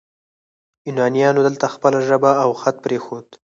یونانیانو دلته خپله ژبه او خط پریښود